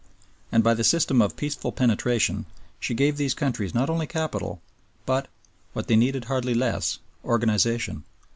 And by the system of "peaceful penetration" she gave these countries not only capital, but, what they needed hardly less, organization.